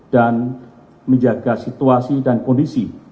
dan menjaga situasi dan kondisi